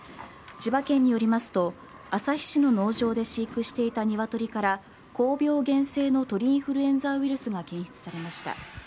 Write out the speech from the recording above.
千葉県によりますと旭市の農場で飼育していたニワトリから高病原性の鳥インフルエンザウイルスが検出されました。